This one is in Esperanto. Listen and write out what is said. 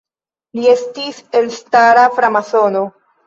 Li estis elstara framasono.